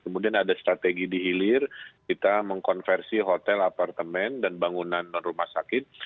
kemudian ada strategi dihilir kita mengkonversi hotel apartemen dan bangunan rumah sakit